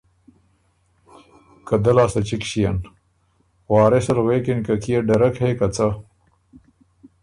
که دۀ لاسته چِګ ݭيېن۔ وارث ال غوېکِن که ”کيې ډرک هې که څۀ؟“